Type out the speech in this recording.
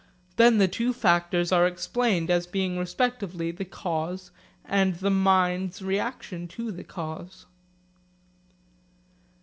Then the two factors are explained as being respectively the cause and the mind's reaction to the cause.